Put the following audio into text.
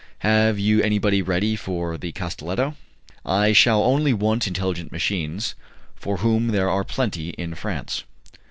"Have you anybody ready for the Castelletto?" "I shall only want intelligent machines, of whom there are plenty in France."